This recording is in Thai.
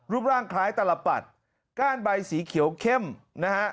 รูปร่างคล้ายตลปัดก้านใบสีเขียวเข้มนะฮะ